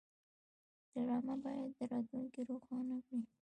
ډرامه باید راتلونکی روښانه کړي